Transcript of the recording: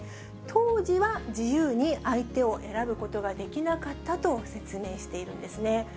当時は自由に相手を選ぶことができなかったと説明しているんですね。